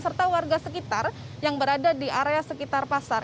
serta warga sekitar yang berada di area sekitar pasar